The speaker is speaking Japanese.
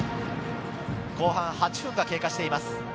後半８分が経過しています。